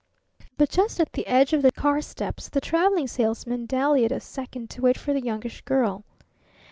But just at the edge of the car steps the Traveling Salesman dallied a second to wait for the Youngish Girl.